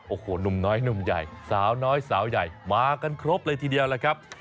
โอ้โหหนุ่มน้อยหนุ่มใหญ่สาวน้อยสาวใหญ่มากันครบเลยทีเดียวล่ะครับ